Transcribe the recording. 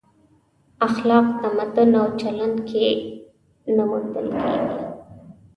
اخلاق تمدن او چلن کې نه موندل کېږي.